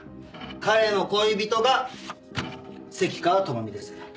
彼の恋人が関川朋美です。